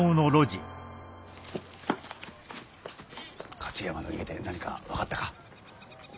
勝山の家で何か分かったか？